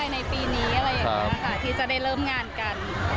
ในปีนี้อะไรอย่างนี้ค่ะที่จะได้เริ่มงานกัน